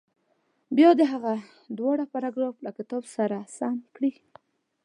بیا دې هغه دواړه پاراګراف له کتاب سره سم کړي.